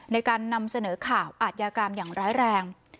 ในการนำเสนอข่าวอาทยากรรมอย่างร้ายแรง